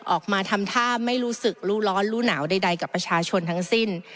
ออกมาทำท่าไม่รู้สึกรู้ร้อนรู้หนาวใดกับประชาชนทั้งสิ้น